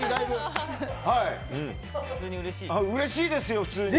うれしいですよ、普通に。